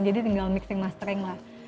jadi tinggal mixing mastering lah